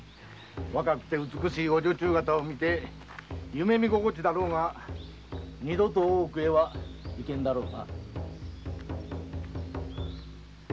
若くて美しいお女中がたを見て夢見心地だろうが二度と大奥へは行けんだろうな。